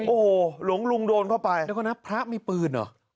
โอ้โฮหลวงลุงโดนเข้าไปแล้วก็นะพระมีปืนเหรอ